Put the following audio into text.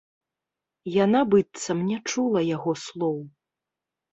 Яна быццам не чула яго слоў.